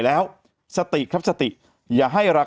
แต่หนูจะเอากับน้องเขามาแต่ว่า